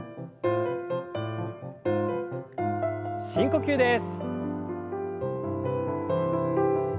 深呼吸です。